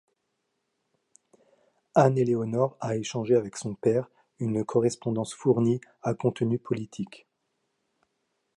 Anne-Éléonore a échangé avec son père une correspondance fournie à contenu politique.